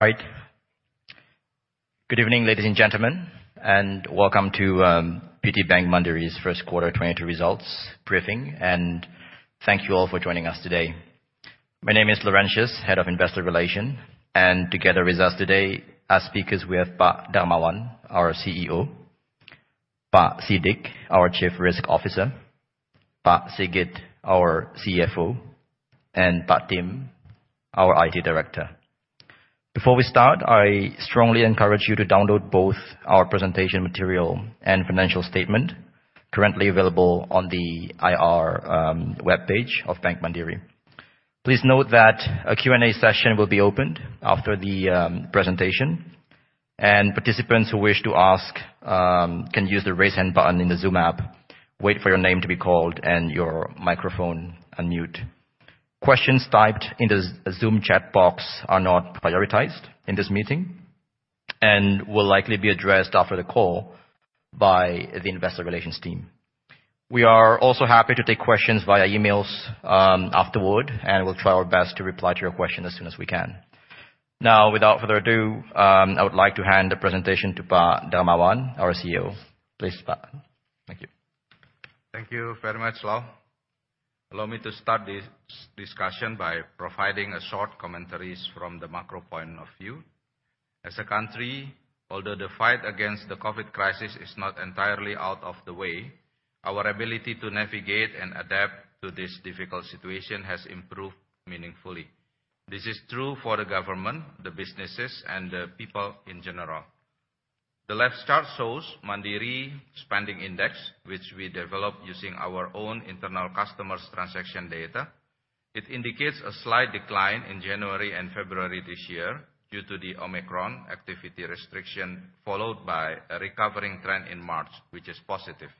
Good evening, ladies and gentlemen, and welcome to PT Bank Mandiri's first quarter 2022 results briefing. Thank you all for joining us today. My name is Laurensius, Head of Investor Relations. Together with us today as speakers, we have Pak Darmawan, our CEO, Pak Siddik, our Chief Risk Officer, Pak Sigit, our CFO, and Pak Tim, our IT Director. Before we start, I strongly encourage you to download both our presentation material and financial statement currently available on the IR webpage of Bank Mandiri. Please note that a Q&A session will be opened after the presentation. Participants who wish to ask can use the Raise Hand button in the Zoom app, wait for your name to be called and your microphone unmuted. Questions typed in the Zoom chat box are not prioritized in this meeting, and will likely be addressed after the call by the investor relations team. We are also happy to take questions via emails afterward, and we'll try our best to reply to your question as soon as we can. Now, without further ado, I would like to hand the presentation to Pak Darmawan, our CEO. Please, Pak. Thank you. Thank you very much, Laur. Allow me to start this discussion by providing a short commentaries from the macro point of view. As a country, although the fight against the COVID crisis is not entirely out of the way, our ability to navigate and adapt to this difficult situation has improved meaningfully. This is true for the government, the businesses, and the people in general. The left chart shows Mandiri Spending Index, which we developed using our own internal customers transaction data. It indicates a slight decline in January and February this year due to the Omicron activity restriction, followed by a recovering trend in March, which is positive.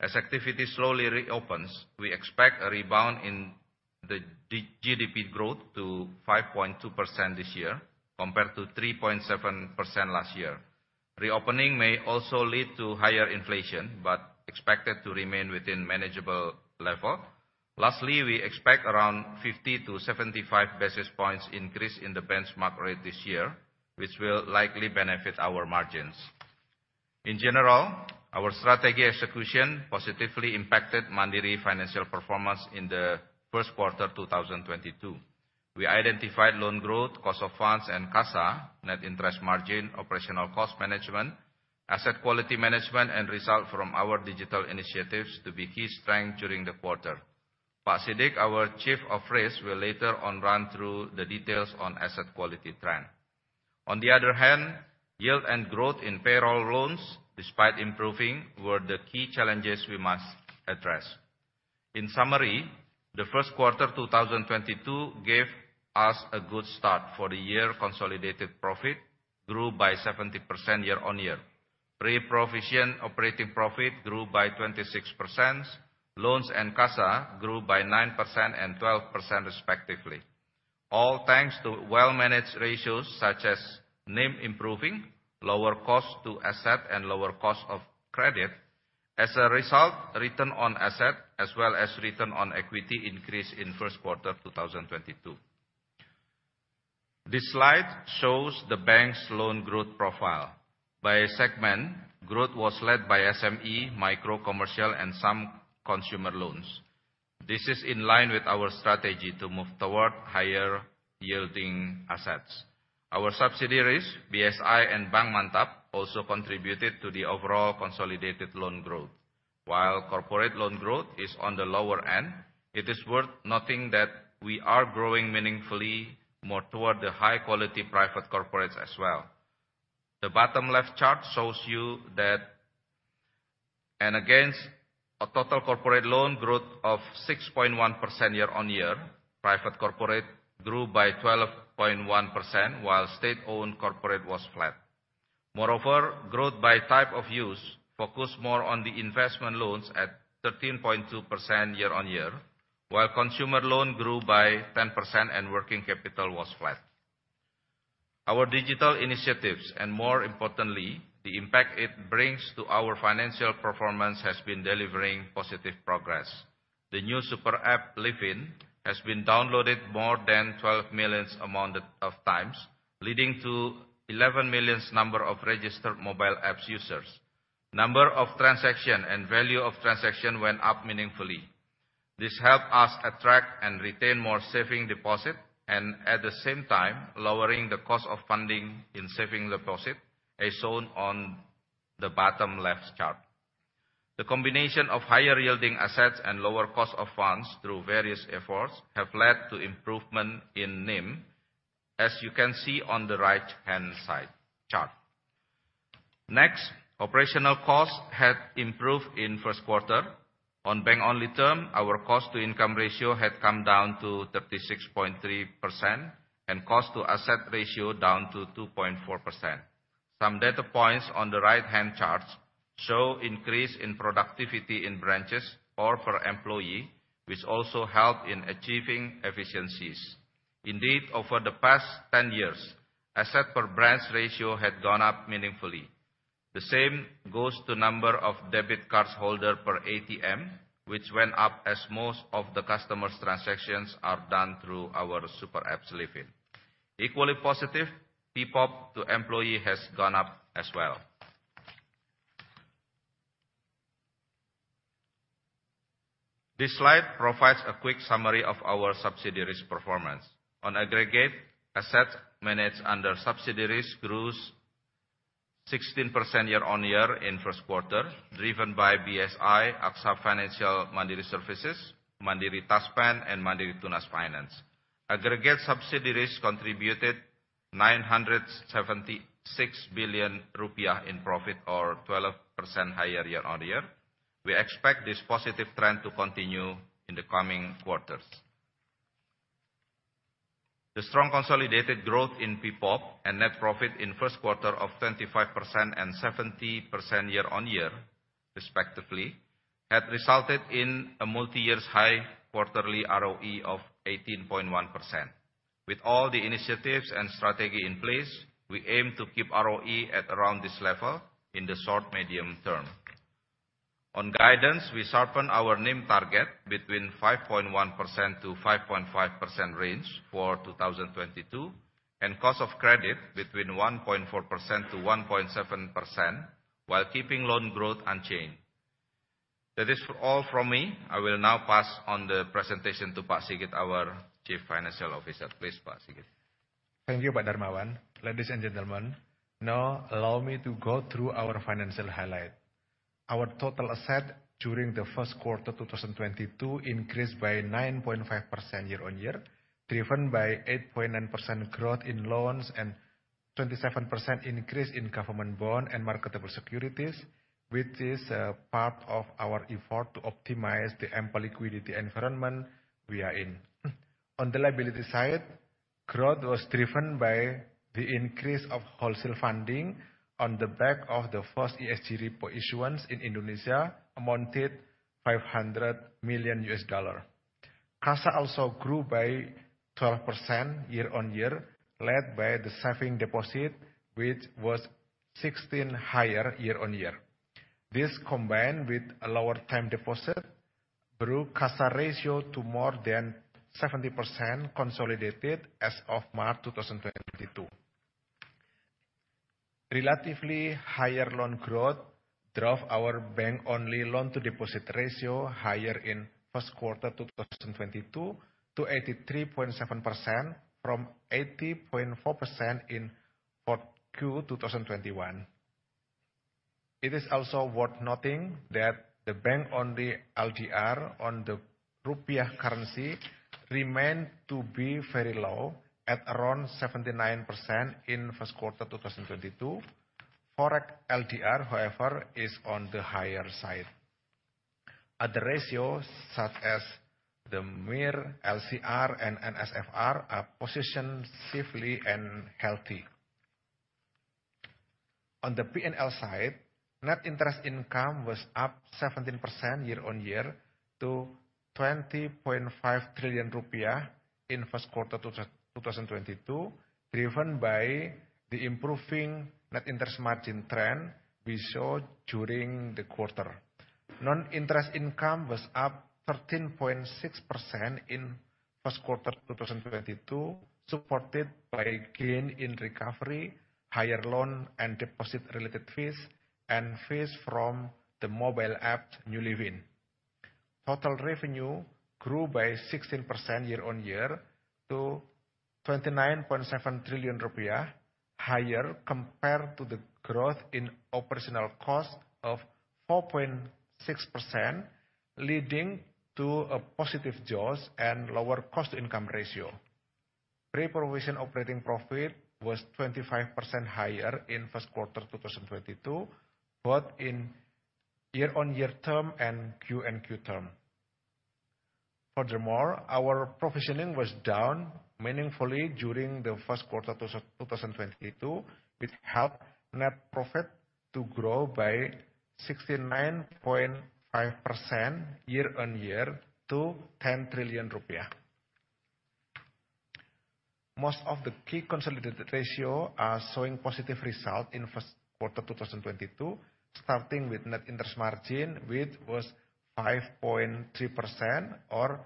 As activity slowly reopens, we expect a rebound in the GDP growth to 5.2% this year, compared to 3.7% last year. Reopening may also lead to higher inflation, but expected to remain within manageable level. Lastly, we expect around 50-75 basis points increase in the benchmark rate this year, which will likely benefit our margins. In general, our strategy execution positively impacted Mandiri financial performance in the first quarter 2022. We identified loan growth, cost of funds, and CASA, net interest margin, operational cost management, asset quality management, and result from our digital initiatives to be key strength during the quarter. Pak Siddik, our Chief Risk Officer, will later on run through the details on asset quality trend. On the other hand, yield and growth in payroll loans, despite improving, were the key challenges we must address. In summary, the first quarter 2022 gave us a good start for the year. Consolidated profit grew by 70% year-on-year. Pre-provision operating profit grew by 26%. Loans and CASA grew by 9% and 12% respectively. All thanks to well-managed ratios such as NIM improving, lower cost to asset, and lower cost of credit. As a result, return on asset, as well as return on equity, increased in first quarter 2022. This slide shows the bank's loan growth profile. By segment, growth was led by SME, micro commercial, and some consumer loans. This is in line with our strategy to move toward higher-yielding assets. Our subsidiaries, BSI and Bank Mandiri Taspen, also contributed to the overall consolidated loan growth. While corporate loan growth is on the lower end, it is worth noting that we are growing meaningfully more toward the high-quality private corporates as well. The bottom left chart shows you that. Against a total corporate loan growth of 6.1% year-on-year, private corporate grew by 12.1%, while state-owned corporate was flat. Moreover, growth by type of use focused more on the investment loans at 13.2% year-on-year, while consumer loan grew by 10% and working capital was flat. Our digital initiatives, and more importantly, the impact it brings to our financial performance, has been delivering positive progress. The new super app, Livin', has been downloaded more than 12 million times, leading to 11 million number of registered mobile app users. Number of transaction and value of transaction went up meaningfully. This helped us attract and retain more saving deposit, and at the same time, lowering the cost of funding in saving deposit, as shown on the bottom left chart. The combination of higher-yielding assets and lower cost of funds through various efforts have led to improvement in NIM, as you can see on the right-hand side chart. Next, operational costs had improved in first quarter. On bank-only term, our cost-to-income ratio had come down to 36.3%, and cost-to-asset ratio down to 2.4%. Some data points on the right-hand charts show increase in productivity in branches or per employee, which also helped in achieving efficiencies. Indeed, over the past 10 years, asset per branch ratio had gone up meaningfully. The same goes to number of debit cards holder per ATM, which went up as most of the customer's transactions are done through our super app Livin'. Equally positive, PPOP to employee has gone up as well. This slide provides a quick summary of our subsidiaries performance. On aggregate, assets managed under subsidiaries grew 16% year-on-year in first quarter, driven by BSI, AXA Mandiri Financial Services, Mandiri Taspen, and Mandiri Tunas Finance. Aggregate subsidiaries contributed 976 billion rupiah in profit, or 12% higher year-on-year. We expect this positive trend to continue in the coming quarters. The strong consolidated growth in PPOP and net profit in first quarter of 25% and 70% year-on-year respectively, had resulted in a multi-year high quarterly ROE of 18.1%. With all the initiatives and strategy in place, we aim to keep ROE at around this level in the short-medium term. On guidance, we sharpen our NIM target between 5.1%-5.5% range for 2022, and cost of credit between 1.4%-1.7% while keeping loan growth unchanged. That is all from me. I will now pass on the presentation to Pak Sigit, our Chief Financial Officer. Please, Pak Sigit. Thank you, Pak Darmawan. Ladies and gentlemen, now allow me to go through our financial highlight. Our total assets during the first quarter 2022 increased by 9.5% year-on-year, driven by 8.9% growth in loans and 27% increase in government bond and marketable securities, which is part of our effort to optimize the ample liquidity environment we are in. On the liability side, growth was driven by the increase of wholesale funding on the back of the first ESG repo issuance in Indonesia, amounted $500 million. CASA also grew by 12% year-on-year, led by the savings deposit, which was 16% higher year-on-year. This, combined with a lower time deposit, grew CASA ratio to more than 70% consolidated as of March 2022. Relatively higher loan growth drove our bank-only loan-to-deposit ratio higher in first quarter 2022 to 83.7% from 80.4% in fourth quarter 2021. It is also worth noting that the bank-only LDR on the rupiah currency remained to be very low at around 79% in first quarter 2022. Forex LDR, however, is on the higher side. Other ratios, such as the MIR, LCR, and NSFR are positioned safely and healthy. On the P&L side, net interest income was up 17% year-on-year to 20.5 trillion rupiah in first quarter 2022, driven by the improving net interest margin trend we saw during the quarter. Non-interest income was up 13.6% in first quarter 2022, supported by gain in recovery, higher loan and deposit-related fees, and fees from the mobile app, new Livin'. Total revenue grew by 16% year-over-year to 29.7 trillion rupiah, higher compared to the growth in operational cost of 4.6%, leading to a positive jaws and lower cost-to-income ratio. Pre-provision operating profit was 25% higher in first quarter 2022, both in year-over-year term and quarter-over-quarter term. Furthermore, our provisioning was down meaningfully during the first quarter 2022, which helped net profit to grow by 69.5% year-over-year to IDR 10 trillion. Most of the key consolidated ratios are showing positive results in first quarter 2022, starting with net interest margin, which was 5.3% or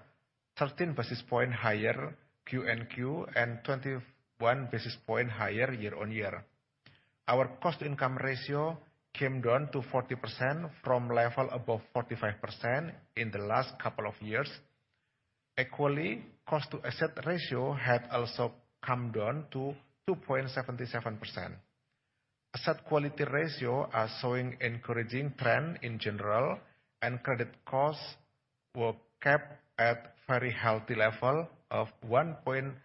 13 basis points higher Q-on-Q and 21 basis points higher year-on-year. Our cost-to-income ratio came down to 40% from levels above 45% in the last couple of years. Equally, cost to asset ratio had also come down to 2.77%. Asset quality ratios are showing encouraging trends in general, and credit costs were kept at very healthy level of 1.57%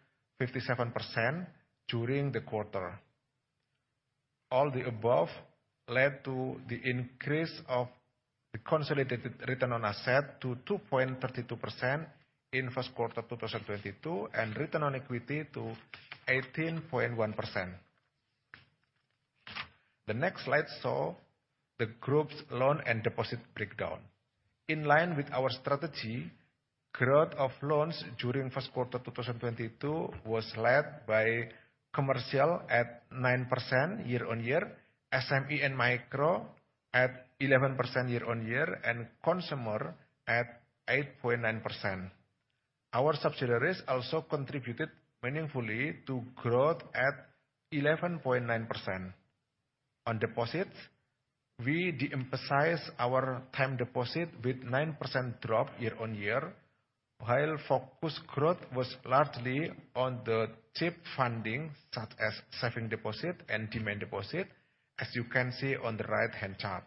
during the quarter. All the above led to the increase of the consolidated return on assets to 2.32% in first quarter 2022, and return on equity to 18.1%. The next slide shows the group's loan and deposit breakdown. In line with our strategy. Growth of loans during first quarter 2022 was led by commercial at 9% year-on-year, SME and micro at 11% year-on-year, and consumer at 8.9%. Our subsidiaries also contributed meaningfully to growth at 11.9%. On deposits, we de-emphasize our time deposit with 9% drop year-on-year, while focused growth was largely on the cheap funding, such as saving deposit and demand deposit, as you can see on the right-hand chart.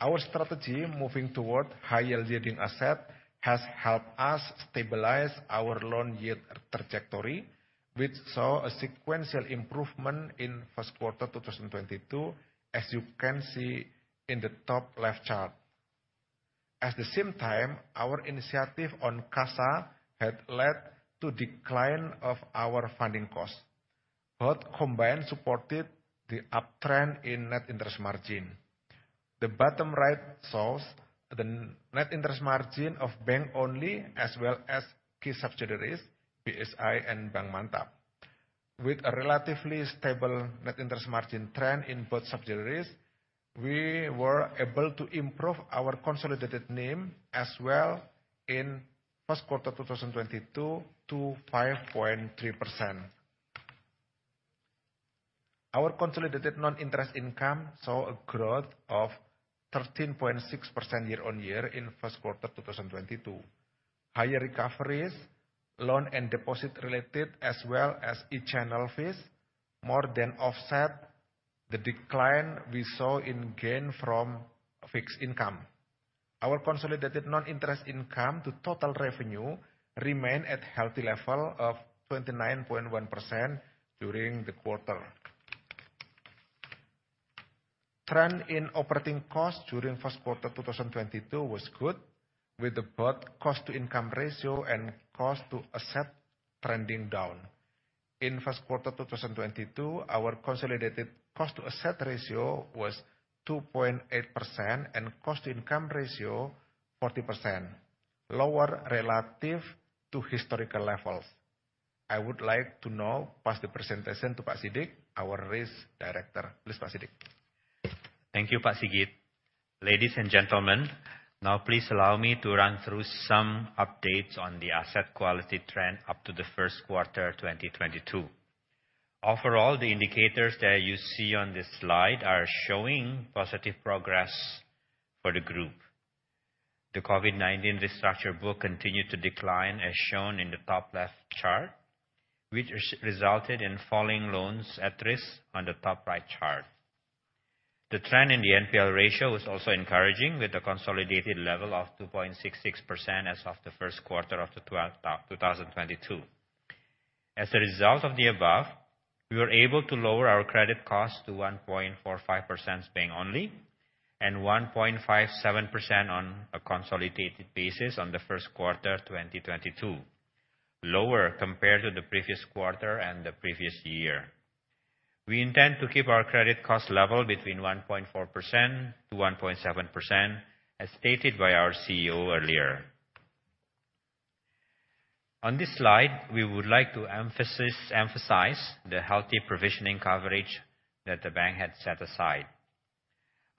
Our strategy moving toward higher yielding asset has helped us stabilize our loan yield trajectory, which saw a sequential improvement in first quarter 2022, as you can see in the top left chart. At the same time, our initiative on CASA had led to decline of our funding costs. Both combined supported the uptrend in net interest margin. The bottom right shows the net interest margin of bank only as well as key subsidiaries, BSI and Bank Mandiri Taspen. With a relatively stable net interest margin trend in both subsidiaries, we were able to improve our consolidated NIM as well in first quarter 2022 to 5.3%. Our consolidated non-interest income saw a growth of 13.6% year-on-year in first quarter 2022. Higher recoveries, loan and deposit related, as well as e-channel fees, more than offset the decline we saw in gain from fixed income. Our consolidated non-interest income to total revenue remained at healthy level of 29.1% during the quarter. Trend in operating costs during first quarter 2022 was good, with both cost-to-income ratio and cost-to-asset trending down. In first quarter 2022, our consolidated cost-to-asset ratio was 2.8% and cost-to-income ratio 40%, lower relative to historical levels. I would like to now pass the presentation to Pak Siddik, our Risk Director. Please, Pak Siddik. Thank you, Pak Sigit. Ladies and gentlemen, now please allow me to run through some updates on the asset quality trend up to the first quarter 2022. Overall, the indicators that you see on this slide are showing positive progress for the group. The COVID-19 restructure book continued to decline, as shown in the top left chart, which resulted in falling loans at risk on the top right chart. The trend in the NPL ratio was also encouraging, with a consolidated level of 2.66% as of the first quarter 2022. As a result of the above, we were able to lower our credit costs to 1.45% bank only, and 1.57% on a consolidated basis in the first quarter 2022, lower compared to the previous quarter and the previous year. We intend to keep our credit cost level between 1.4%-1.7%, as stated by our CEO earlier. On this slide, we would like to emphasize the healthy provisioning coverage that the bank had set aside.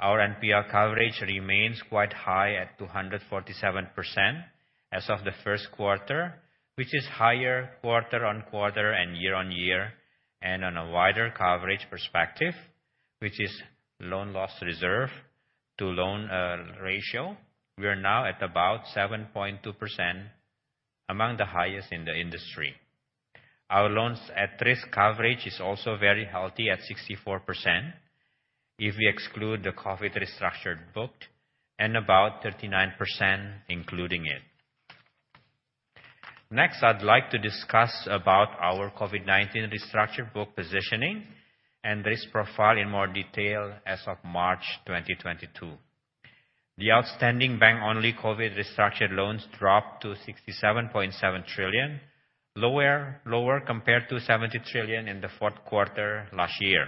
Our NPL coverage remains quite high at 247% as of the first quarter, which is higher quarter-on-quarter and year-on-year. On a wider coverage perspective, which is loan loss reserve to loan ratio, we are now at about 7.2%, among the highest in the industry. Our loans at risk coverage is also very healthy at 64% if we exclude the COVID restructured book, and about 39% including it. Next, I'd like to discuss about our COVID-19 restructure book positioning and risk profile in more detail as of March 2022. The outstanding bank only COVID restructured loans dropped to 67.7 trillion, lower compared to 70 trillion in the fourth quarter last year.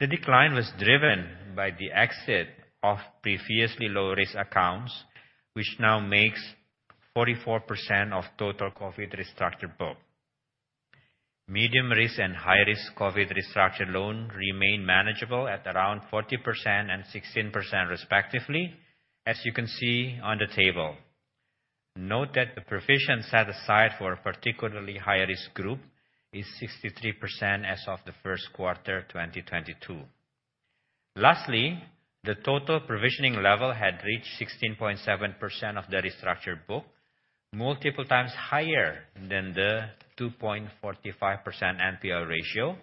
The decline was driven by the exit of previously low-risk accounts, which now makes 44% of total COVID restructured book. Medium-risk and high-risk COVID restructured loans remain manageable at around 40% and 16% respectively, as you can see on the table. Note that the provisions set aside for a particularly high-risk group is 63% as of the first quarter 2022. Lastly, the total provisioning level had reached 16.7% of the restructured book, multiple times higher than the 2.45% NPL ratio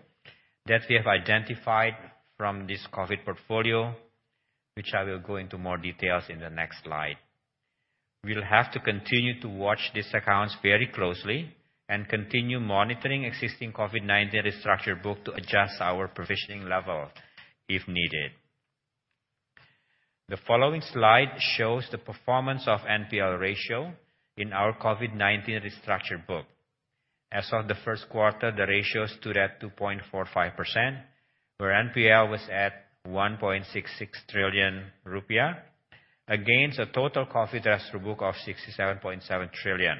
that we have identified from this COVID portfolio, which I will go into more details in the next slide. We'll have to continue to watch these accounts very closely and continue monitoring existing COVID-19 restructure book to adjust our provisioning level if needed. The following slide shows the performance of NPL ratio in our COVID-19 restructure book. As of the first quarter, the ratio stood at 2.45%, where NPL was at 1.66 trillion rupiah against a total COVID restructure book of 67.7 trillion.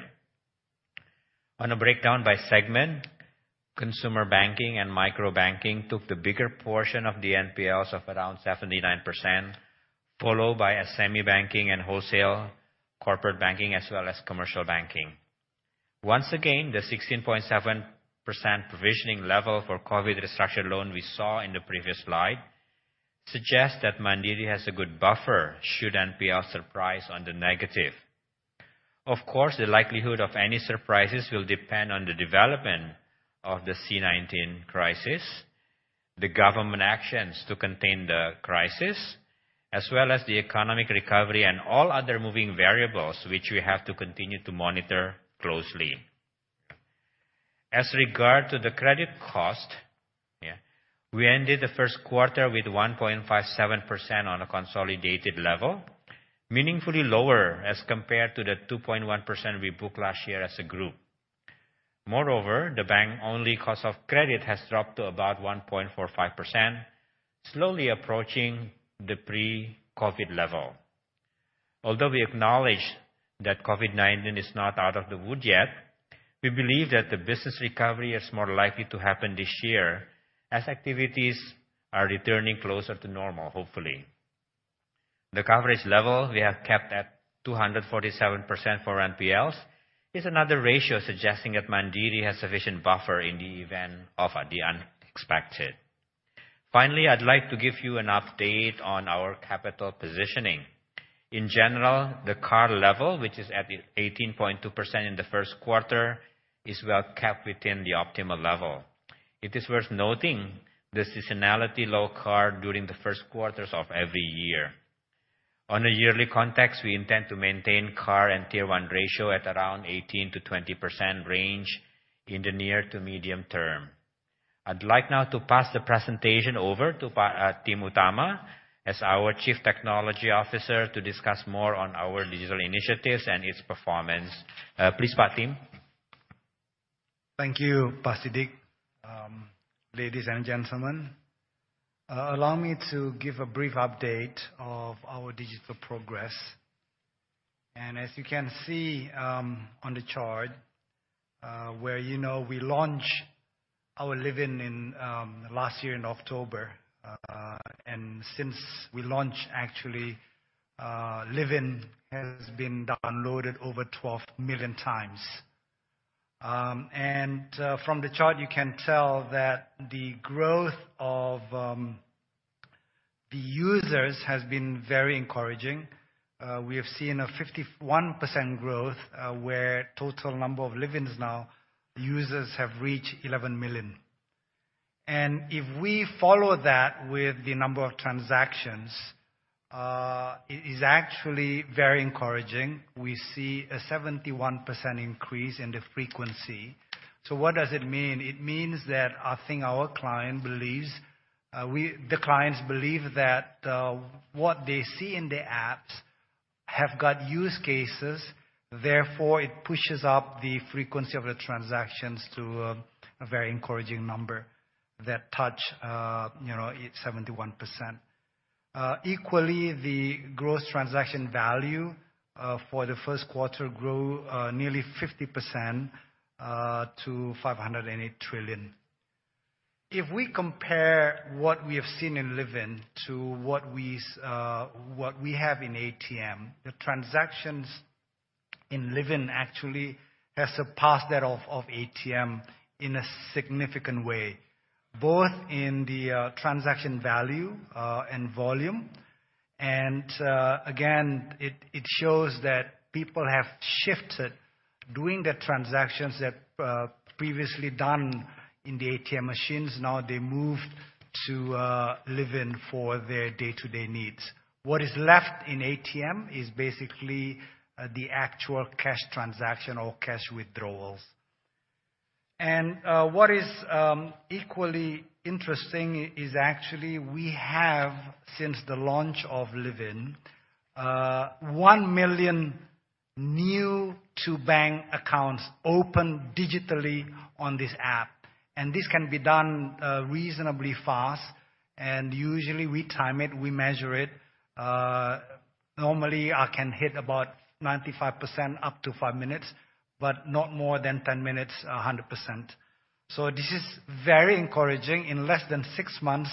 On a breakdown by segment, consumer banking and micro banking took the bigger portion of the NPLs of around 79%, followed by SME banking and wholesale corporate banking as well as commercial banking. Once again, the 16.7% provisioning level for COVID restructure loan we saw in the previous slide suggests that Mandiri has a good buffer should NPL surprise on the negative. Of course, the likelihood of any surprises will depend on the development of the COVID-19 crisis, the government actions to contain the crisis, as well as the economic recovery and all other moving variables which we have to continue to monitor closely. As regards to the credit cost, yeah, we ended the first quarter with 1.57% on a consolidated level, meaningfully lower as compared to the 2.1% we booked last year as a group. Moreover, the bank-only cost of credit has dropped to about 1.45%, slowly approaching the pre-COVID level. Although we acknowledge that COVID-19 is not out of the woods yet, we believe that the business recovery is more likely to happen this year as activities are returning closer to normal, hopefully. The coverage level we have kept at 247% for NPLs is another ratio suggesting that Mandiri has sufficient buffer in the event of the unexpected. Finally, I'd like to give you an update on our capital positioning. In general, the CAR level, which is at 18.2% in the first quarter, is well kept within the optimal level. It is worth noting the seasonality low CAR during the first quarters of every year. On a yearly context, we intend to maintain CAR and Tier 1 ratio at around 18%-20% range in the near to medium term. I'd like now to pass the presentation over to Timothy Utama as our Chief Technology Officer to discuss more on our digital initiatives and its performance. Please, Pak Tim. Thank you, Pak Siddik. Ladies and gentlemen, allow me to give a brief update of our digital progress. As you can see, on the chart, where, you know, we launched our Livin' in last year in October. Since we launched actually, Livin' has been downloaded over 12 million times. From the chart, you can tell that the growth of the users has been very encouraging. We have seen a 51% growth, where total number of Livin' users have reached 11 million. If we follow that with the number of transactions, it is actually very encouraging. We see a 71% increase in the frequency. What does it mean? It means that I think our client believes we... The clients believe that what they see in the apps have got use cases, therefore it pushes up the frequency of the transactions to a very encouraging number that touch you know it 71%. Equally, the growth transaction value for the first quarter grew nearly 50% to 508 trillion. If we compare what we have seen in Livin to what we have in ATM, the transactions in Livin actually has surpassed that of ATM in a significant way, both in the transaction value and volume. Again, it shows that people have shifted doing the transactions that previously done in the ATM machines, now they moved to Livin for their day-to-day needs. What is left in ATM is basically the actual cash transaction or cash withdrawals. What is equally interesting is actually we have, since the launch of Livin, 1 million new-to-bank accounts opened digitally on this app. This can be done reasonably fast. Usually we time it, we measure it. Normally, can hit about 95% up to 5 minutes, but not more than 10 minutes, 100%. This is very encouraging. In less than six months,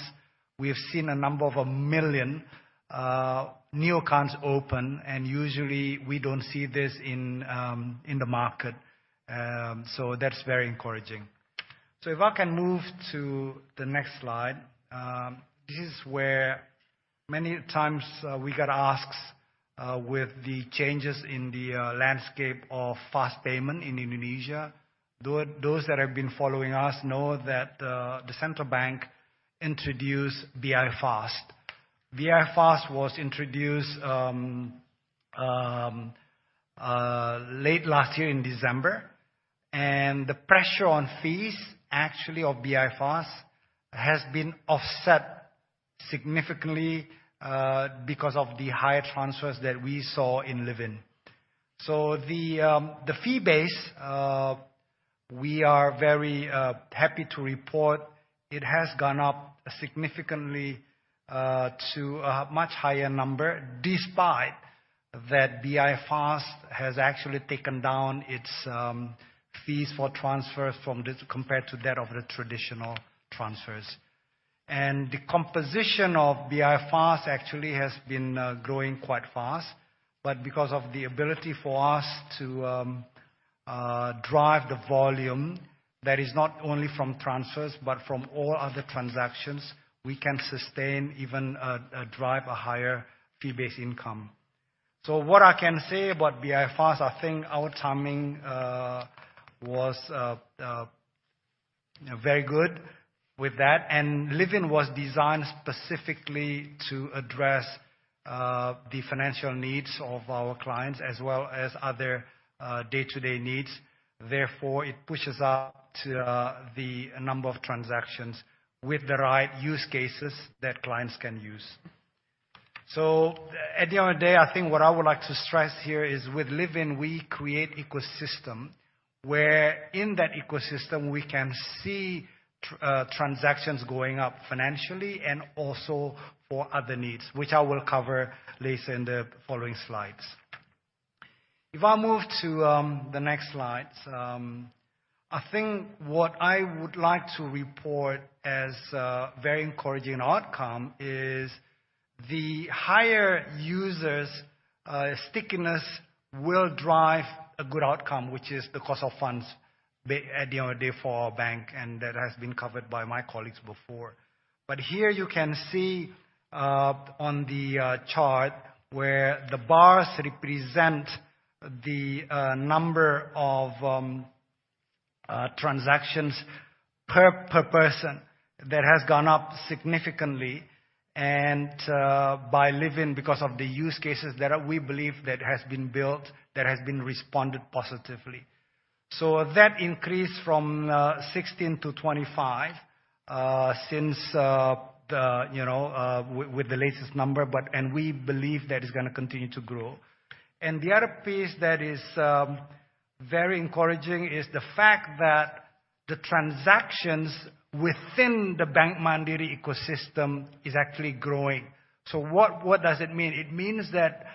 we have seen a number of 1 million new accounts open, and usually we don't see this in the market. That's very encouraging. If I can move to the next slide. This is where many times we got asked with the changes in the landscape of fast payments in Indonesia. Though those that have been following us know that the central bank introduced BI-FAST. BI-FAST was introduced late last year in December, and the pressure on fees actually of BI-FAST has been offset significantly because of the higher transfers that we saw in Livin'. The fee base we are very happy to report it has gone up significantly to a much higher number, despite that BI-FAST has actually taken down its fees for transfers from this compared to that of the traditional transfers. The composition of BI-FAST actually has been growing quite fast. Because of the ability for us to drive the volume, that is not only from transfers, but from all other transactions, we can sustain even drive a higher fee-based income. What I can say about BI-FAST, I think our timing was very good with that. Livin' was designed specifically to address the financial needs of our clients as well as other day-to-day needs. Therefore, it pushes out the number of transactions with the right use cases that clients can use. At the end of the day, I think what I would like to stress here is with Livin', we create ecosystem, where in that ecosystem, we can see transactions going up financially and also for other needs, which I will cover later in the following slides. If I move to the next slides, I think what I would like to report as very encouraging outcome is the higher users stickiness will drive a good outcome, which is the cost of funds at the end of the day for our bank, and that has been covered by my colleagues before. Here you can see on the chart where the bars represent the number of transactions per person that has gone up significantly, and by Livin because of the use cases that we believe that has been built, that has been responded positively. That increased from 16 to 25 since the you know with the latest number, but. We believe that is gonna continue to grow. The other piece that is very encouraging is the fact that the transactions within the Bank Mandiri ecosystem is actually growing. What does it mean? It means that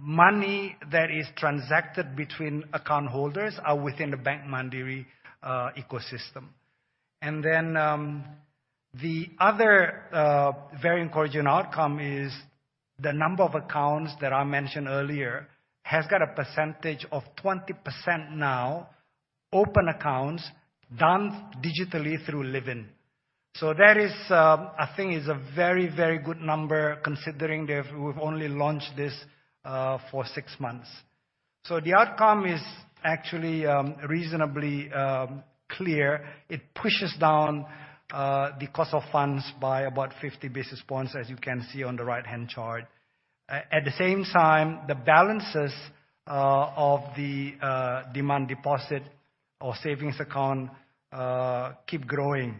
money that is transacted between account holders are within the Bank Mandiri ecosystem. The other very encouraging outcome is the number of accounts that I mentioned earlier, has got a percentage of 20% now open accounts done digitally through Livin. That is, I think, a very, very good number considering that we've only launched this for six months. The outcome is actually reasonably clear. It pushes down the cost of funds by about 50 basis points, as you can see on the right-hand chart. At the same time, the balances of the demand deposit or savings account keep growing.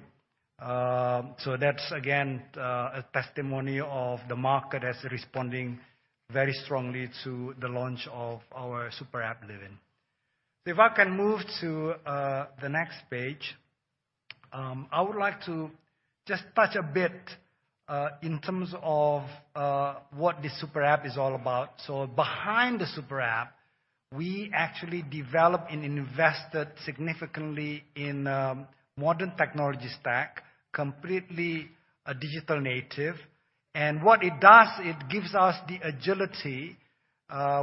That's again a testimony of the market has responding very strongly to the launch of our super app Livin. If I can move to the next page, I would like to just touch a bit in terms of what the super app is all about. Behind the super app, we actually developed and invested significantly in modern technology stack, completely a digital native. What it does, it gives us the agility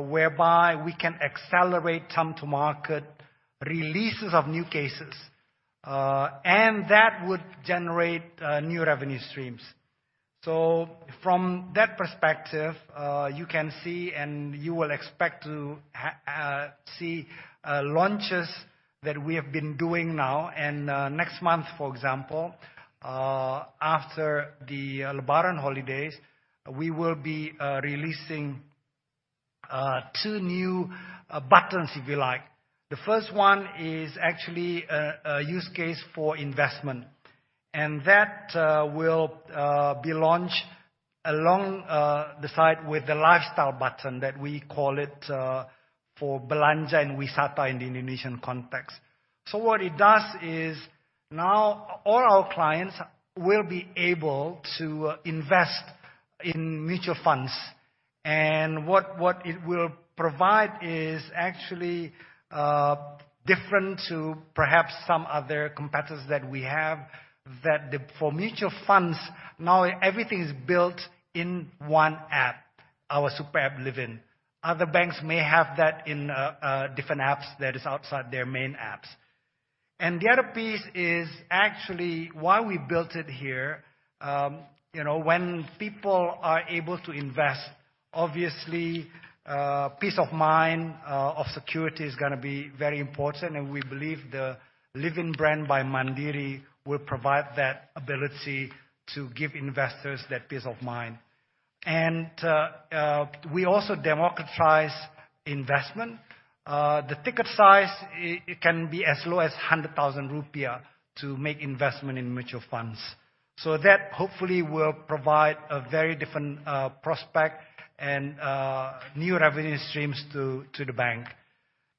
whereby we can accelerate time to market, releases of new use cases, and that would generate new revenue streams. From that perspective, you can see and you will expect to see launches that we have been doing now and next month, for example, after the Lebaran holidays, we will be releasing two new buttons, if you like. The first one is actually a use case for investment, and that will be launched along the side with the lifestyle button that we call it for belanja and wisata in the Indonesian context. What it does is now all our clients will be able to invest in mutual funds. What it will provide is actually different to perhaps some other competitors that we have. For mutual funds, now everything is built in one app, our super app Livin. Other banks may have that in different apps that is outside their main apps. The other piece is actually why we built it here. You know, when people are able to invest, obviously, peace of mind of security is gonna be very important, and we believe the Livin' by Mandiri will provide that ability to give investors that peace of mind. We also democratize investment. The ticket size, it can be as low as 100,000 rupiah to make investment in mutual funds. That hopefully will provide a very different prospect and new revenue streams to the bank.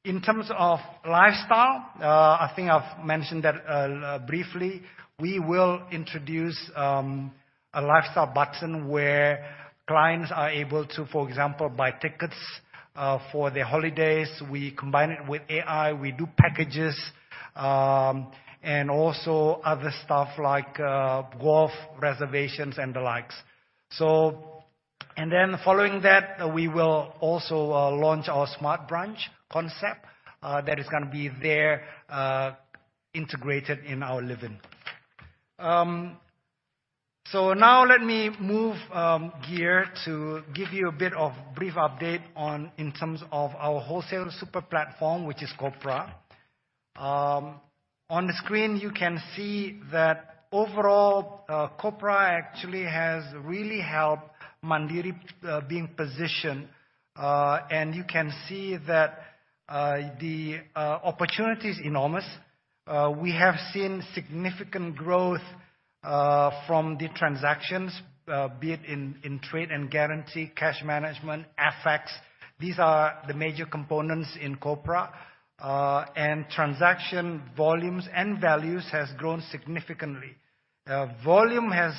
In terms of lifestyle, I think I've mentioned that briefly. We will introduce a lifestyle button where clients are able to, for example, buy tickets for their holidays. We combine it with AI. We do packages and also other stuff like golf reservations and the likes. Following that, we will also launch our smart branch concept that is gonna be integrated in our Livin. Now let me change gear to give you a brief update on, in terms of our wholesale super platform, which is Kopra. On the screen, you can see that overall, Kopra actually has really helped Mandiri being positioned. You can see that the opportunity is enormous. We have seen significant growth from the transactions be it in trade and guarantee, cash management, FX. These are the major components in Kopra. Transaction volumes and values has grown significantly. Volume has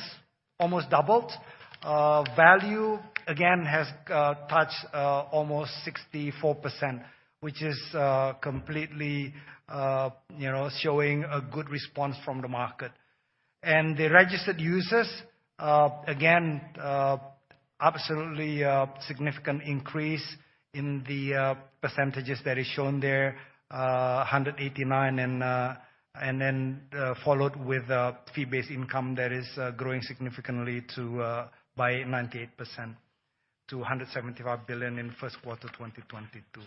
almost doubled. Value again has touched almost 64%, which is completely you know, showing a good response from the market. The registered users, again, absolutely a significant increase in the percentages that is shown there, 189%. Then followed with fee-based income that is growing significantly by 98% to 175 billion in first quarter 2022.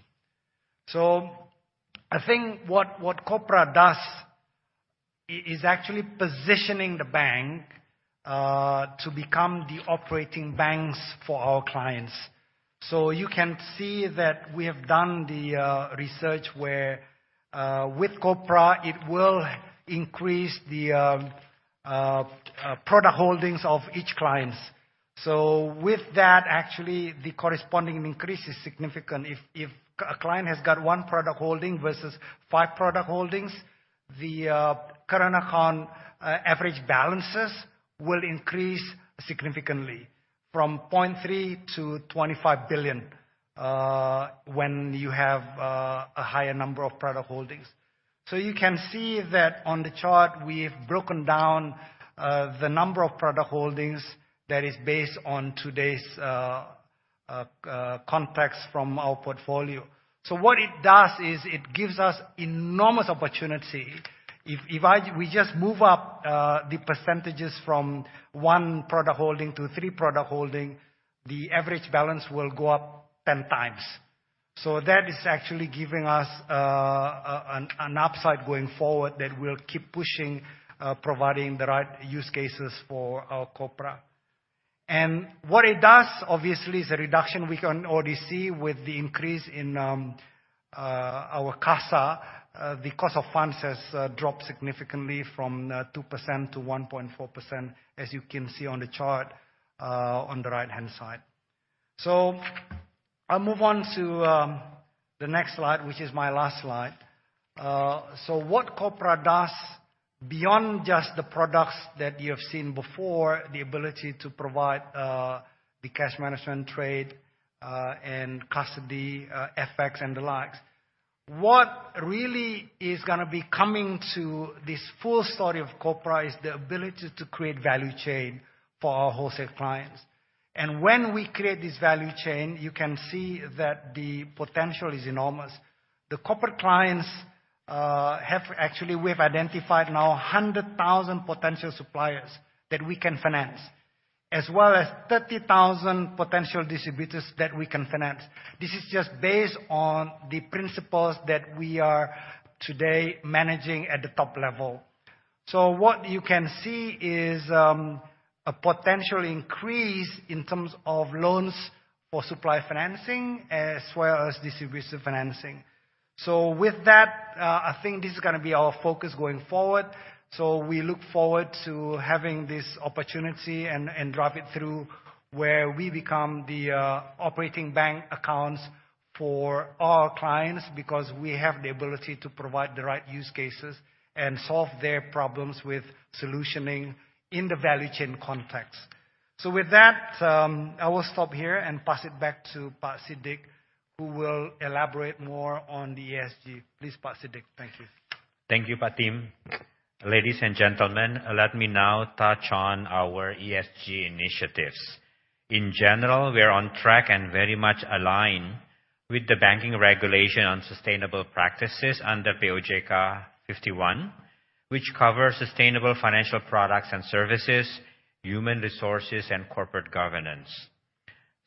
I think what Kopra does is actually positioning the bank to become the operating bank for our clients. You can see that we have done the research where with Kopra, it will increase the product holdings of each clients. With that, actually the corresponding increase is significant. If a client has got one product holding versus five product holdings, the current account average balances will increase significantly from 0.3 billion to 25 billion when you have a higher number of product holdings. You can see that on the chart we've broken down the number of product holdings that is based on today's context from our portfolio. What it does is it gives us enormous opportunity. We just move up the percentages from one product holding to three product holding, the average balance will go up 10 times. That is actually giving us an upside going forward that we'll keep pushing, providing the right use cases for our Kopra. What it does, obviously, is a reduction we can already see with the increase in our CASA. The cost of funds has dropped significantly from 2%-1.4%, as you can see on the chart on the right-hand side. I'll move on to the next slide, which is my last slide. What Kopra does beyond just the products that you have seen before, the ability to provide the cash management, trade, and custody, FX and the like. What really is gonna be coming to this full story of Kopra is the ability to create value chain for our wholesale clients. When we create this value chain, you can see that the potential is enormous. The corporate clients have... Actually, we have identified now 100,000 potential suppliers that we can finance, as well as 30,000 potential distributors that we can finance. This is just based on the principals that we are today managing at the top level. What you can see is a potential increase in terms of loans for supplier financing as well as distributor financing. With that, I think this is gonna be our focus going forward. We look forward to having this opportunity and drive it through where we become the operating bank accounts for our clients, because we have the ability to provide the right use cases and solve their problems with solutioning in the value chain context. With that, I will stop here and pass it back to Pak Siddik, who will elaborate more on the ESG. Please, Pak Siddik. Thank you. Thank you, Pak Tim. Ladies and gentlemen, let me now touch on our ESG initiatives. In general, we are on track and very much aligned with the banking regulation on sustainable practices under POJK 51, which covers sustainable financial products and services, human resources, and corporate governance.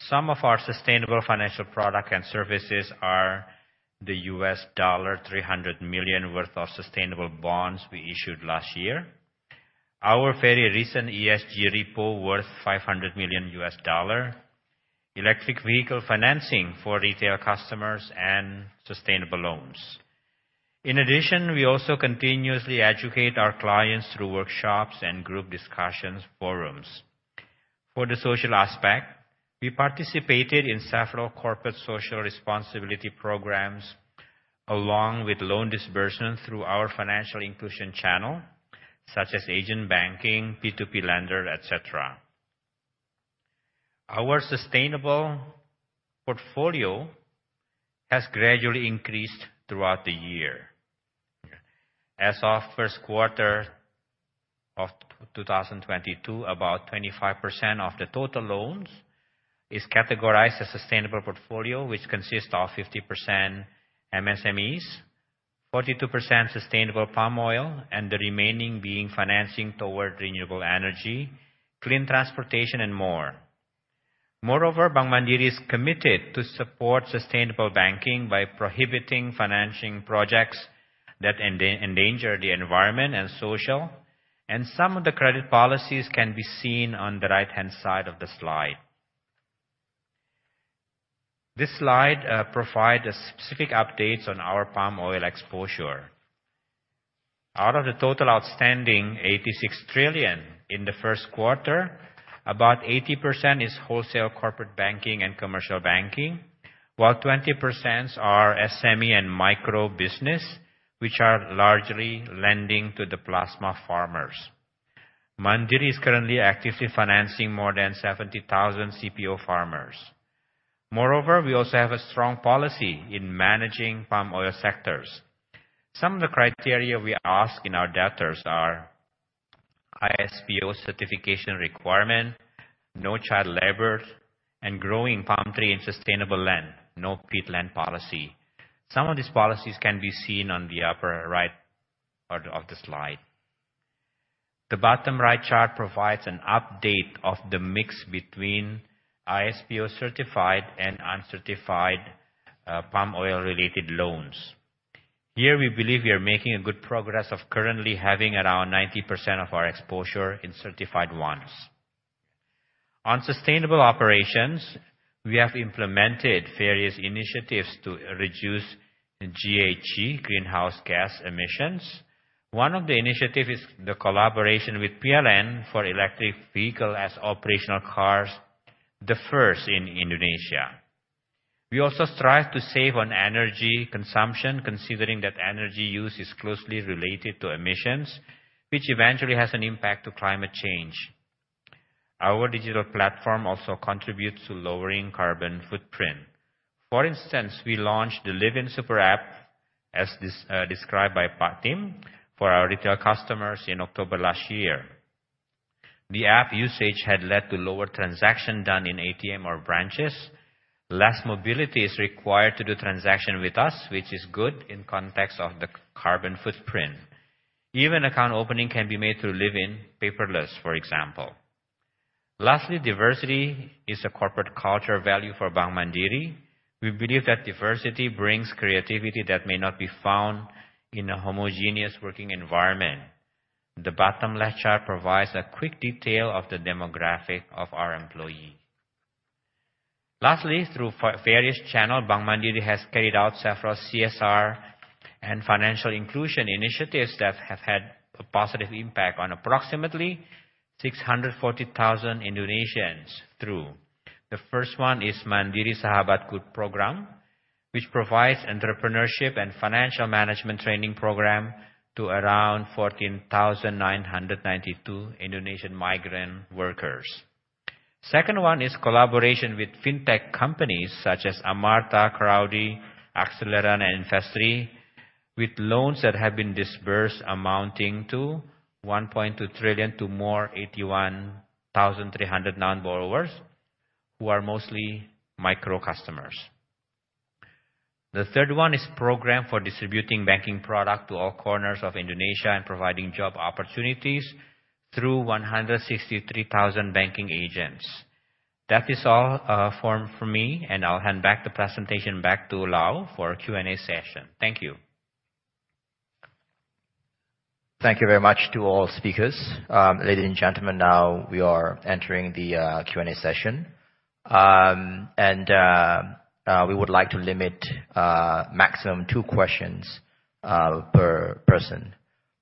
Some of our sustainable financial product and services are the $300 million worth of sustainable bonds we issued last year. Our very recent ESG Repo worth $500 million, electric vehicle financing for retail customers and sustainable loans. In addition, we also continuously educate our clients through workshops and group discussions forums. For the social aspect, we participated in several corporate social responsibility programs, along with loan disbursement through our financial inclusion channel, such as agent banking, P2P lender, et cetera. Our sustainable portfolio has gradually increased throughout the year. As of first quarter of 2022, about 25% of the total loans is categorized as sustainable portfolio, which consists of 50% MSMEs, 42% sustainable palm oil, and the remaining being financing toward renewable energy, clean transportation and more. Moreover, Bank Mandiri is committed to support sustainable banking by prohibiting financing projects that endanger the environment and social. Some of the credit policies can be seen on the right-hand side of the slide. This slide provides specific updates on our palm oil exposure. Out of the total outstanding 86 trillion in the first quarter, about 80% is wholesale corporate banking and commercial banking, while 20% are SME and micro business, which are largely lending to the plasma farmers. Mandiri is currently actively financing more than 70,000 CPO farmers. Moreover, we also have a strong policy in managing palm oil sectors. Some of the criteria we ask in our debtors are ISPO certification requirement, no child labor, and growing palm tree in sustainable land, no peatland policy. Some of these policies can be seen on the upper right of the slide. The bottom right chart provides an update of the mix between ISPO certified and uncertified palm oil-related loans. Here, we believe we are making a good progress of currently having around 90% of our exposure in certified ones. On sustainable operations, we have implemented various initiatives to reduce GHG, greenhouse gas emissions. One of the initiative is the collaboration with PLN for electric vehicle as operational cars, the first in Indonesia. We also strive to save on energy consumption, considering that energy use is closely related to emissions, which eventually has an impact to climate change. Our digital platform also contributes to lowering carbon footprint. For instance, we launched the Livin super app as described by Pak Tim, for our retail customers in October last year. The app usage had led to lower transaction done in ATM or branches. Less mobility is required to do transaction with us, which is good in context of the carbon footprint. Even account opening can be made through Livin, paperless for example. Lastly, diversity is a corporate culture value for Bank Mandiri. We believe that diversity brings creativity that may not be found in a homogeneous working environment. The bottom left chart provides a quick detail of the demographic of our employee. Lastly, through various channel, Bank Mandiri has carried out several CSR and financial inclusion initiatives that have had a positive impact on approximately 640,000 Indonesians through. The first one is Mandiri Sahabatku program, which provides entrepreneurship and financial management training program to around 14,992 Indonesian migrant workers. Second one is collaboration with fintech companies such as Amartha, Crowde, Akseleran, and Investree, with loans that have been disbursed amounting to 1.2 trillion to more than 81,300 borrowers, who are mostly micro customers. The third one is program for distributing banking product to all corners of Indonesia and providing job opportunities through 163,000 banking agents. That is all from me, and I'll hand the presentation back to Lau for Q&A session. Thank you. Thank you very much to all speakers. Ladies and gentlemen, now we are entering the Q&A session. We would like to limit maximum two questions per person.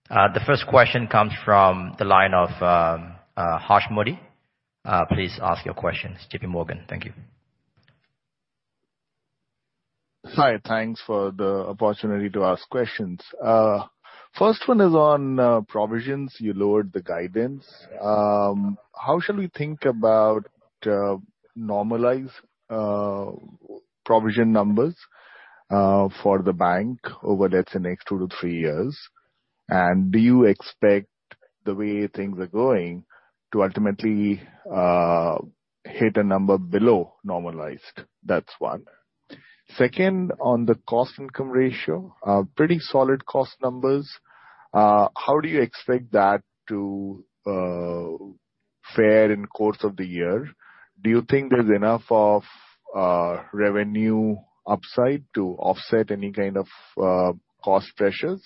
The first question comes from the line of Harsh Modi. Please ask your questions, JPMorgan. Thank you. Hi. Thanks for the opportunity to ask questions. First one is on provisions. You lowered the guidance. How shall we think about normalized provision numbers for the bank over the next two to three years? Do you expect the way things are going to ultimately hit a number below normalized? That's one. Second, on the cost income ratio, pretty solid cost numbers. How do you expect that to fare in the course of the year? Do you think there's enough revenue upside to offset any kind of cost pressures?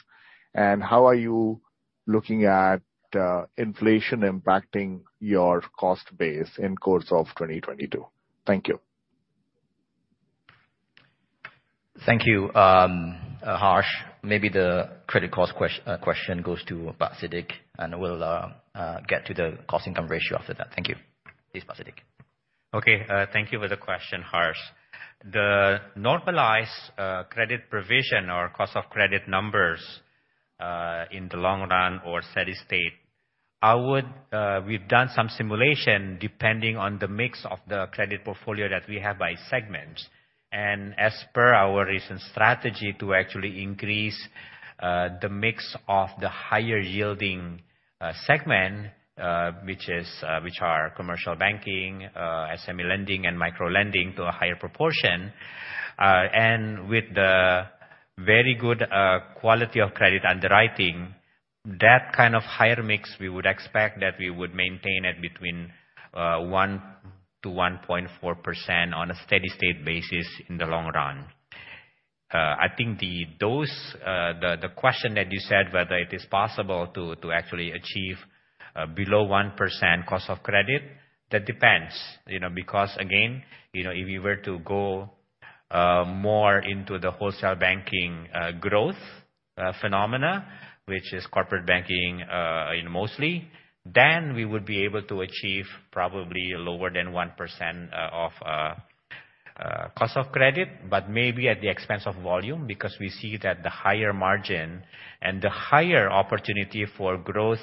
How are you looking at inflation impacting your cost base in the course of 2022? Thank you. Thank you, Harsh. Maybe the credit cost question goes to Pak Siddik, and we'll get to the cost-income ratio after that. Thank you. Please, Pak Siddik. Thank you for the question, Harsh. The normalized credit provision or cost of credit numbers in the long run or steady state, we've done some simulation depending on the mix of the credit portfolio that we have by segment. As per our recent strategy to actually increase the mix of the higher yielding segment, which are commercial banking, SME lending and microlending to a higher proportion. With the very good quality of credit underwriting, that kind of higher mix, we would expect that we would maintain at between 1%-1.4% on a steady state basis in the long run. The question that you said, whether it is possible to actually achieve below 1% cost of credit, that depends, you know, because again, you know, if we were to go more into the wholesale banking growth phenomena, which is corporate banking mostly, then we would be able to achieve probably lower than 1% cost of credit. But maybe at the expense of volume, because we see that the higher margin and the higher opportunity for growth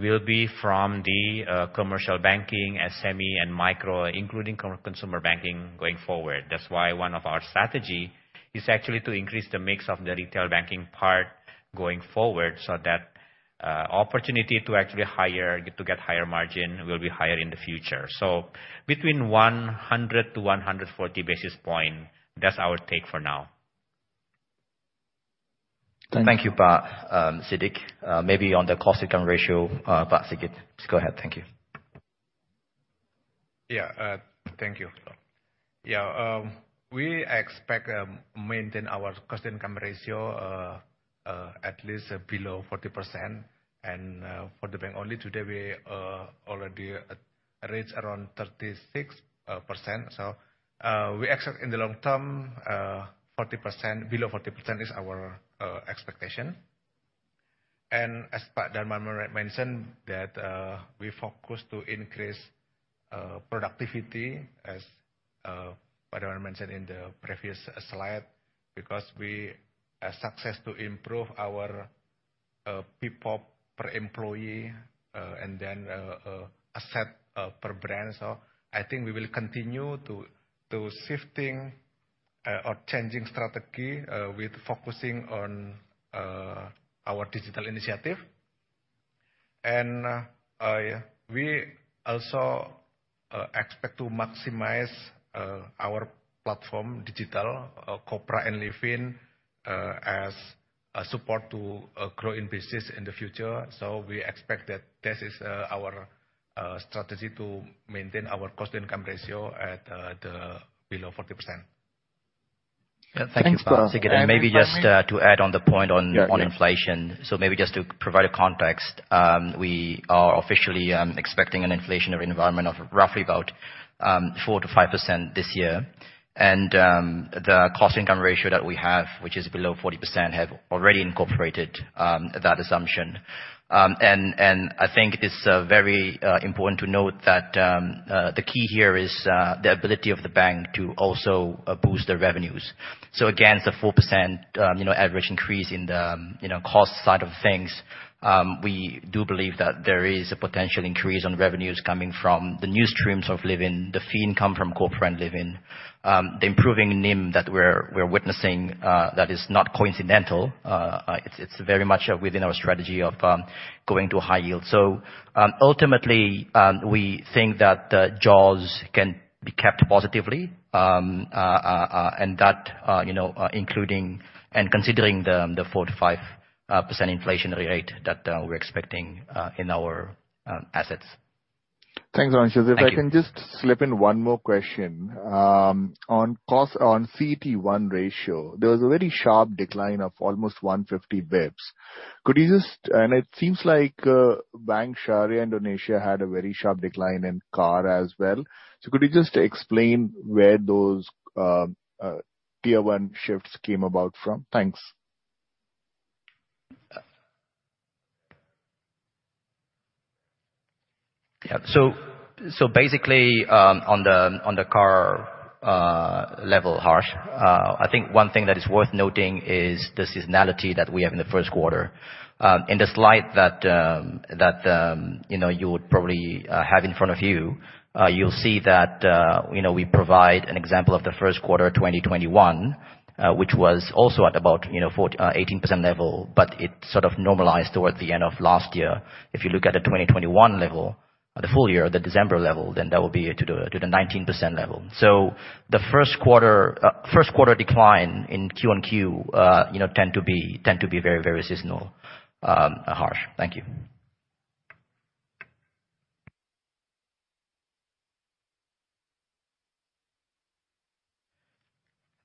will be from the commercial banking, SME and micro, including consumer banking going forward. That's why one of our strategy is actually to increase the mix of the retail banking part going forward, so that opportunity to actually get higher margin will be higher in the future. Between 100-140 basis point, that's our take for now. Thank you, Pak Siddik. Maybe on the cost-income ratio, Pak Sigit. Please go ahead. Thank you. Thank you. We expect maintain our cost-income ratio at least below 40%. For the bank only today, we already at rates around 36%. We expect in the long term 40% below 40% is our expectation. As Pak Darma mentioned that we focus to increase productivity as Pak Darma mentioned in the previous slide, because we are successful to improve our people per employee and then asset per branch. I think we will continue to shifting or changing strategy with focusing on our digital initiative. We also expect to maximize our platform digital Kopra and Livin as a support to growing business in the future. We expect that this is our strategy to maintain our cost-income ratio below 40%. Thanks, Pak. Thanks, Pak. Maybe just to add on the point. Yeah, yeah. On inflation. Maybe just to provide a context, we are officially expecting an inflationary environment of roughly about 4%-5% this year. The cost-income ratio that we have, which is below 40%, have already incorporated that assumption. I think it's very important to note that the key here is the ability of the bank to also boost their revenues. Again, it's a 4% average increase in the cost side of things. We do believe that there is a potential increase on revenues coming from the new streams of Livin', the fee income from Kopra and Livin', the improving NIM that we're witnessing, that is not coincidental. It's very much within our strategy of going to high yield. Ultimately, we think that the jaws can be kept positively, you know, including and considering the 4%-5% inflationary rate that we're expecting in our assets. Thanks, Laurensius. Thank you. If I can just slip in one more question on CET1 ratio, there was a very sharp decline of almost 150 basis points. It seems like Bank Syariah Indonesia had a very sharp decline in CAR as well. Could you just explain where those tier one shifts came about from? Thanks. Basically, on the CAR level, Harsh, I think one thing that is worth noting is the seasonality that we have in the first quarter. In the slide that you know you would probably have in front of you'll see that you know we provide an example of the first quarter of 2021, which was also at about 18% level, but it sort of normalized toward the end of last year. If you look at the 2021 level, the full year, the December level, then that will be to the 19% level. The first quarter decline in quarter-over-quarter you know tend to be very seasonal, Harsh. Thank you.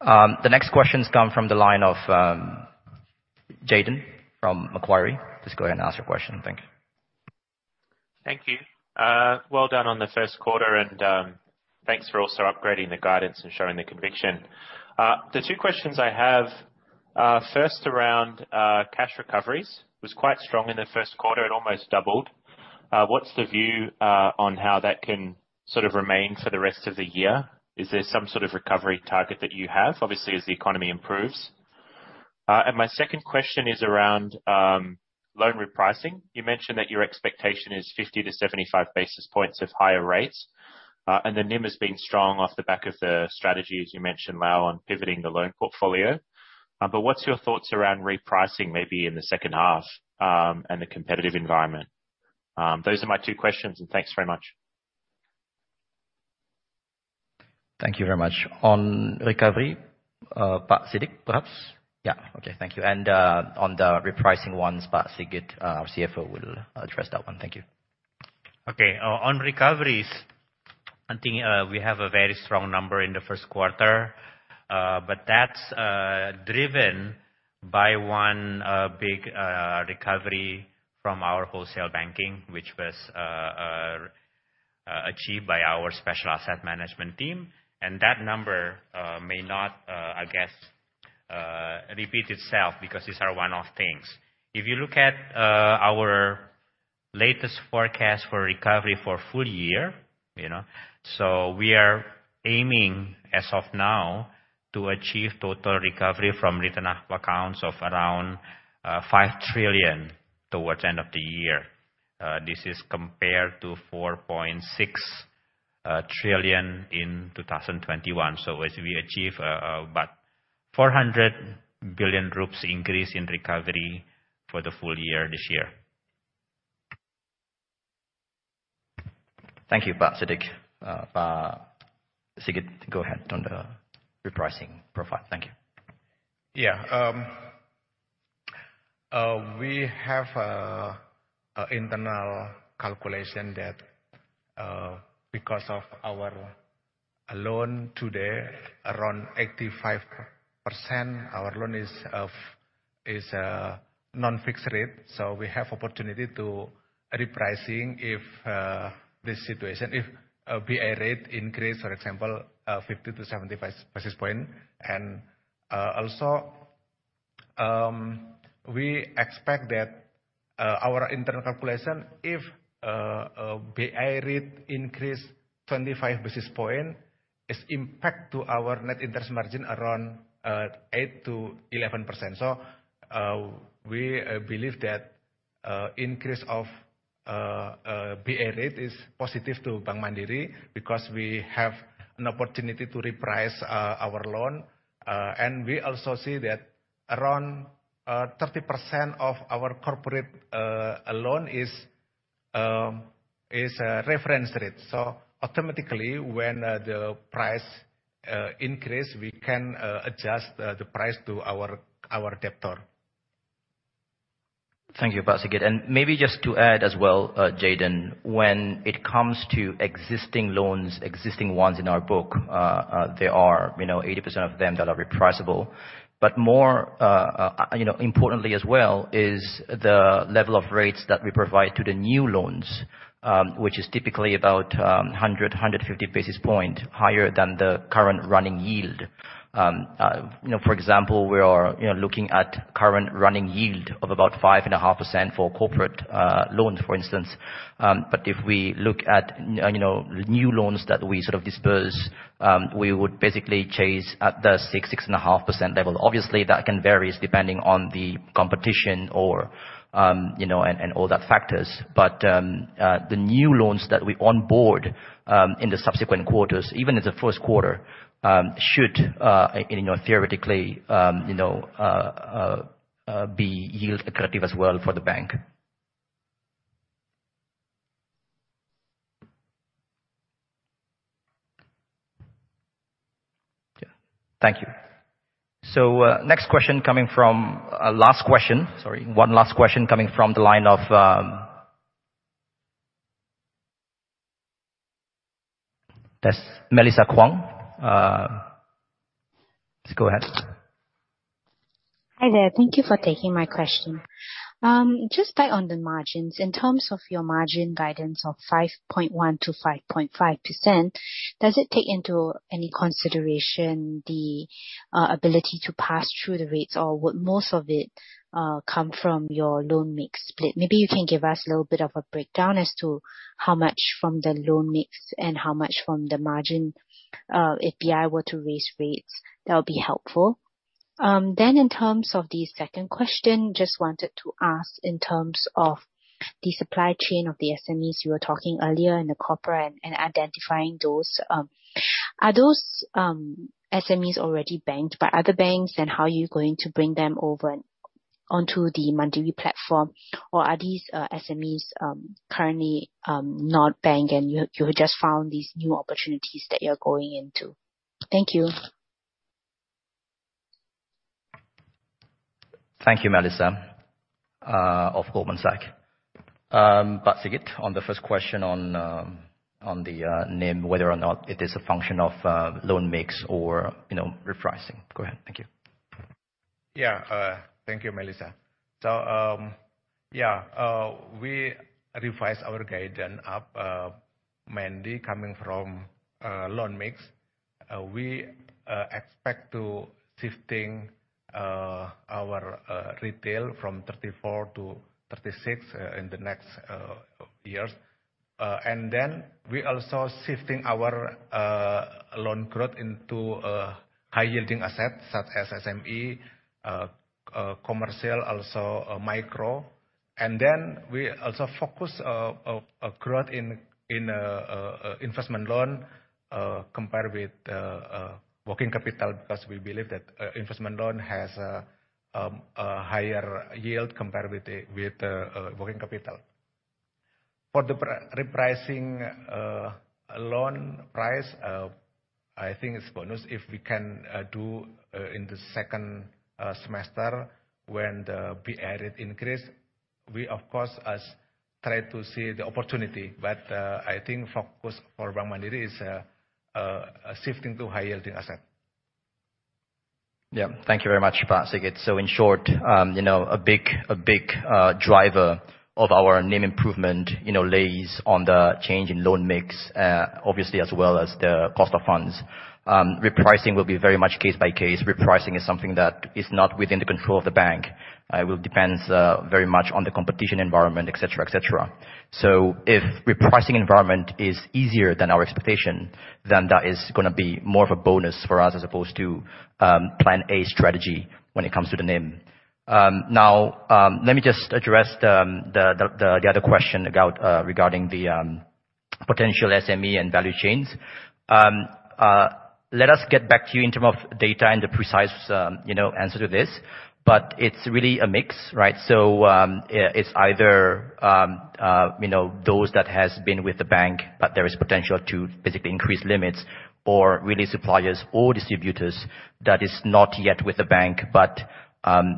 The next question's come from the line of Jayden from Macquarie. Just go ahead and ask your question. Thank you. Thank you. Well done on the first quarter, and thanks for also upgrading the guidance and showing the conviction. The two questions I have, first around cash recoveries was quite strong in the first quarter. It almost doubled. What's the view on how that can sort of remain for the rest of the year? Is there some sort of recovery target that you have? Obviously, as the economy improves. My second question is around loan repricing. You mentioned that your expectation is 50-75 basis points of higher rates, and the NIM has been strong off the back of the strategies you mentioned, Lau, on pivoting the loan portfolio. What's your thoughts around repricing maybe in the second half, and the competitive environment? Those are my two questions, and thanks very much. Thank you very much. On recovery, Pak Siddik, perhaps? Yeah. Okay. Thank you. On the repricing ones, Pak Sigit, our CFO will address that one. Thank you. Okay. On recoveries, I think we have a very strong number in the first quarter. That's driven by one big recovery from our wholesale banking, which was achieved by our special asset management team. That number may not, I guess, repeat itself, because these are one-off things. If you look at our latest forecast for recovery for full year, you know, so we are aiming, as of now, to achieve total recovery from written off accounts of around 5 trillion toward end of the year. This is compared to 4.6 trillion in 2021. As we achieve about IDR 400 billion group's increase in recovery for the full year this year. Thank you, Pak Siddik. Pak Sigit, go ahead on the repricing profile. Thank you. We have an internal calculation that, because of our loan today, around 85% of our loan is non-fixed rate. We have opportunity to repricing if BI rate increase, for example, 50-75 basis points. We expect that our internal calculation, if BI rate increase 25 basis points, it's impact to our net interest margin around 8%-11%. We believe that increase of BI rate is positive to Bank Mandiri, because we have an opportunity to reprice our loan. We also see that around 30% of our corporate loan is reference rate. Automatically, when the price increase, we can adjust the price to our debtor. Thank you, Pak Sigit. Maybe just to add as well, Jayden, when it comes to existing loans, existing ones in our book, there are, you know, 80% of them that are repricable. More importantly as well is the level of rates that we provide to the new loans, which is typically about 150 basis points higher than the current running yield. For example, we are, you know, looking at current running yield of about 5.5% for corporate loans, for instance. If we look at new loans that we sort of disburse, we would basically chase at the 6%-6.5% level. Obviously, that can varies depending on the competition or, you know, and all that factors. The new loans that we onboard in the subsequent quarters, even in the first quarter, should, you know, theoretically, you know, be yield accretive as well for the bank. Thank you. Next question coming from. Last question. Sorry. One last question coming from the line of. That's Melissa Kuang. Please go ahead. Hi there. Thank you for taking my question. Just back on the margins. In terms of your margin guidance of 5.1%-5.5%, does it take into any consideration the ability to pass through the rates, or would most of it come from your loan mix split? Maybe you can give us a little bit of a breakdown as to how much from the loan mix and how much from the margin if BI were to raise rates. That would be helpful. In terms of the second question, just wanted to ask in terms of the supply chain of the SMEs you were talking earlier in the corporate and identifying those. Are those SMEs already banked by other banks, and how are you going to bring them over? Onto the Mandiri platform, or are these SMEs currently not banked and you just found these new opportunities that you're going into? Thank you. Thank you, Melissa, of Goldman Sachs. Pak Sigit, on the first question on the NIM, whether or not it is a function of loan mix or, you know, repricing. Go ahead. Thank you. Thank you, Melissa. We revised our guidance up mainly coming from loan mix. We expect to shifting our retail from 34%-36% in the next years. We're also shifting our loan growth into high-yielding assets such as SME commercial also micro. We also focus a growth in investment loan compared with working capital, because we believe that investment loan has a higher yield compared with the working capital. For the loan repricing, I think it's bonus if we can do in the second semester when the BI rate increase. We of course has tried to see the opportunity, but I think focus for Bank Mandiri is shifting to high-yielding asset. Yeah. Thank you very much, Pak Sigit. In short, you know, a big driver of our NIM improvement, you know, lays on the change in loan mix, obviously as well as the cost of funds. Repricing will be very much case by case. Repricing is something that is not within the control of the bank. It will depends very much on the competitive environment, et cetera, et cetera. If repricing environment is easier than our expectation, then that is gonna be more of a bonus for us as opposed to plan A strategy when it comes to the NIM. Now, let me just address the other question about regarding the potential SME and value chains. Let us get back to you in terms of data and the precise, you know, answer to this, but it's really a mix, right? It's either, you know, those that has been with the bank, but there is potential to basically increase limits or really suppliers or distributors that is not yet with the bank, but,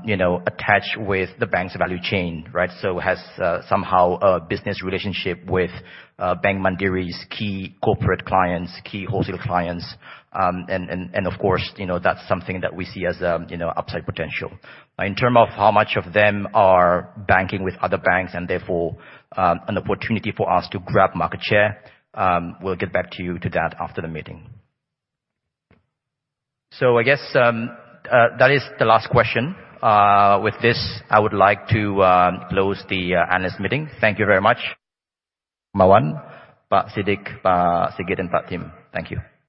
you know, attached with the bank's value chain, right? So has somehow a business relationship with Bank Mandiri's key corporate clients, key wholesale clients. And of course, you know, that's something that we see as, you know, upside potential. In terms of how much of them are banking with other banks and therefore, an opportunity for us to grab market share, we'll get back to you on that after the meeting. I guess that is the last question. With this, I would like to close the analyst meeting. Thank you very much, Pak Darmawan, Pak Siddik, Pak Sigit, and Pak Tim. Thank you.